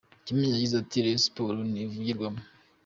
Kimenyi yagize ati: “ Rayon Sports ntigurishwa.